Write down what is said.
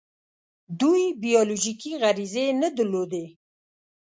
دوی بیولوژیکي غریزې نه درلودې.